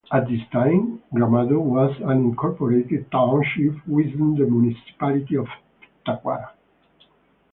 At this time, Gramado was an unincorporated township within the municipality of Taquara.